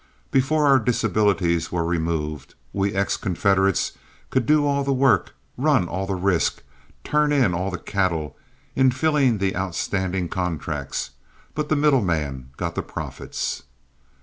_ Before our disabilities were removed, we ex Confederates could do all the work, run all the risk, turn in all the cattle in filling the outstanding contracts, but the middleman got the profits.